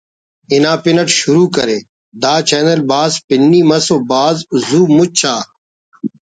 انا پن اٹ شروع کرے دا چینل بھاز پنی مس و بھاز زُو مچ آ